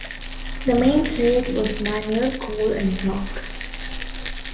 The main trade was manure, coal and chalk.